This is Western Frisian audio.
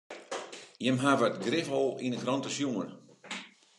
Jimme hawwe it grif al yn de krante sjoen.